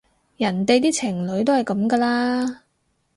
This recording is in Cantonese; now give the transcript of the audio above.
人哋啲情侶都係噉㗎啦